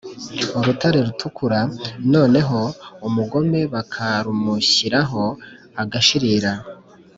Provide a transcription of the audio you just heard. urutare rutukura, noneho umugome bakarumushyiraho agashirira.